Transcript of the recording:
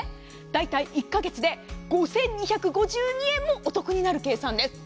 大体１か月で５２５２円もお得になる計算です。